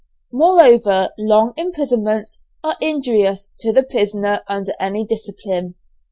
Moreover, long imprisonments are injurious to the prisoner under any discipline.